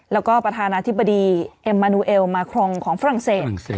แล้วก็ประธานาธิบดีเอ็มมานูเอลมาครองของฝรั่งเศส